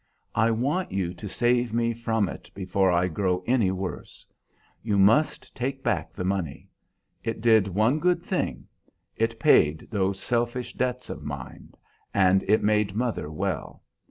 I want you to save me from it before I grow any worse. You must take back the money. It did one good thing: it paid those selfish debts of mine, and it made mother well.